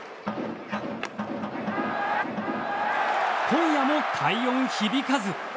今夜も快音響かず。